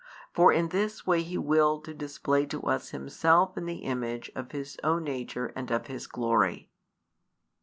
For in this way He willed to display to us Himself in the Image of His own nature and of His glory.